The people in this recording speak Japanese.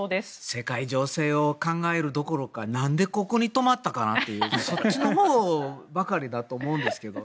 世界情勢を考えるどころかなんでここに泊まったかというそっちのほうばかりだと思うんですけど。